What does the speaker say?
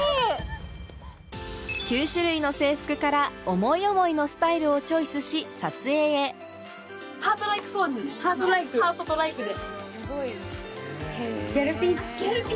９種類の制服から思い思いのスタイルをチョイスし撮影へハートとライクで。